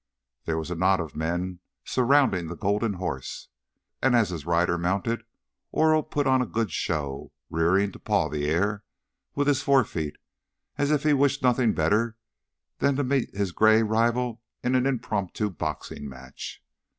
There was a knot of men surrounding the golden horse, and as his rider mounted, Oro put on a good show, rearing to paw the air with his forefeet as if he wished nothing better than to meet his gray rival in an impromptu boxing match.